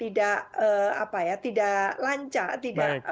tidak apa ya tidak lancar tidak